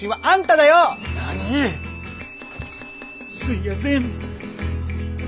すいやせん。